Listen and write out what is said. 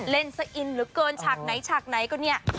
สะอินเหลือเกินฉากไหนฉากไหนก็เนี่ย